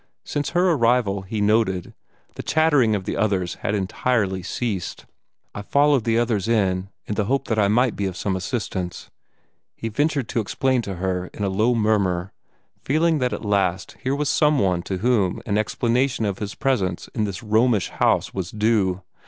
Since her arrival, he noted, the chattering of the others had entirely ceased. "I followed the others in, in the hope that I might be of some assistance," he ventured to explain to her in a low murmur, feeling that at last here was some one to whom an explanation of his presence in this Romish house was due.